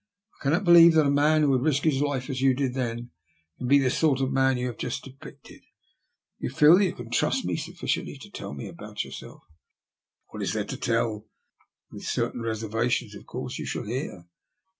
I cannot believe that a man who would risk his life, as you did then, can be the sort of man you have just depicted. Do you feel that you can trust me sufficiently to tell me about yourself?" What there is to tell, with certain reservations, of course, you shall hear.